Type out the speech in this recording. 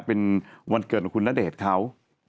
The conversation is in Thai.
เป็นวันเกิดของคุณณเดชน์เขา